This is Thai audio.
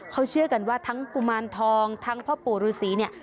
เขาเชื่อกันว่าทั้งกุมารทองทั้งพ่อปู่ฤษีเนี่ย